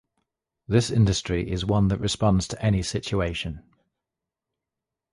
This industry is one that responds to any situation.